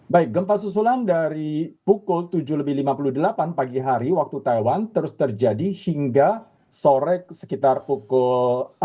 baik gempa susulan dari pukul tujuh lebih lima puluh delapan pagi hari waktu taiwan terus terjadi hingga sore sekitar pukul